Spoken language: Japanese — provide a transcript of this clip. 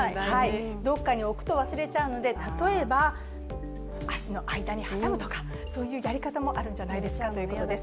どこかに置くと忘れちゃうので例えば足の間に挟むとか、そういうやり方もあるんじゃないですかということです。